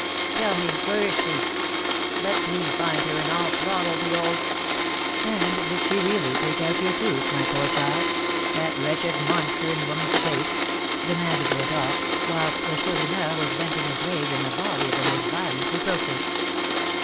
Tell me, where is she? Let me find her, and I'll throttle the old " "And did she really take out your tooth, my poor child, that wretched monster in woman's shape?" demanded Rodolph, whilst the Chourineur was venting his rage in a volley of the most violent reproaches.